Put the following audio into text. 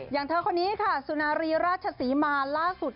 อย่างเธอคนนี้ค่ะสุนารีราชศรีมาล่าสุด